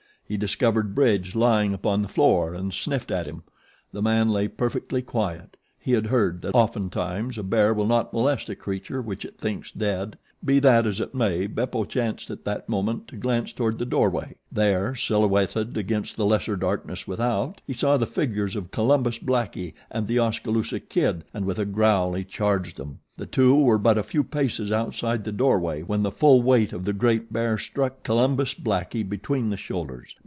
He discovered Bridge lying upon the floor and sniffed at him. The man lay perfectly quiet. He had heard that often times a bear will not molest a creature which it thinks dead. Be that as it may Beppo chanced at that moment to glance toward the doorway. There, silhouetted against the lesser darkness without, he saw the figures of Columbus Blackie and The Oskaloosa Kid and with a growl he charged them. The two were but a few paces outside the doorway when the full weight of the great bear struck Columbus Blackie between the shoulders.